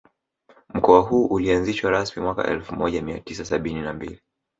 Mkoa huu ulianzishwa rasmi mwaka elfu moja mia tisa sabini na mbili